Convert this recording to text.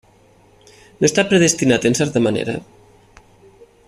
No està predestinat en certa manera?